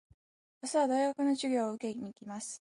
明日は大学の授業を受けに行きます。